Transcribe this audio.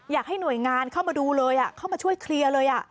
อยากให้หน่วยงานเข้ามาดูเลยเข้ามาช่วยเคลียร์เลย